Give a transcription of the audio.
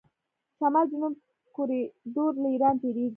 شمال جنوب کوریډور له ایران تیریږي.